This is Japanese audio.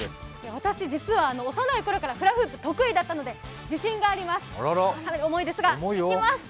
私、実は幼いころからフラフープ、得意だったのでかなり重いですが、いきます。